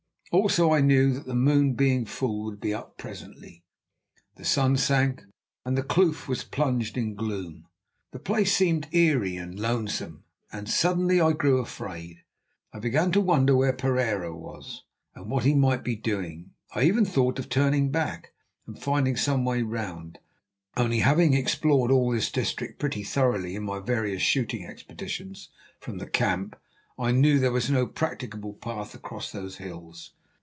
Also I knew that the moon, being full, would be up presently. The sun sank, and the kloof was plunged in gloom. The place seemed eerie and lonesome, and suddenly I grew afraid. I began to wonder where Pereira was, and what he might be doing. I even thought of turning back and finding some way round, only having explored all this district pretty thoroughly in my various shooting expeditions from the camp, I knew there was no practicable path across those hills.